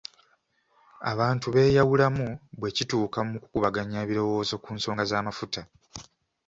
Abantu beeyawulamu bwe kituuka mukukubaganya ebirowoozo ku nsonga z'amafuta.